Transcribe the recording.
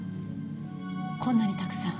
こんなにたくさん。